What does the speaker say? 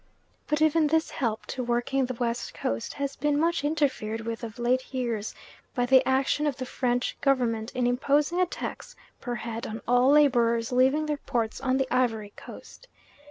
But even this help to working the West Coast has been much interfered with of late years by the action of the French Government in imposing a tax per head on all labourers leaving their ports on the Ivory Coast.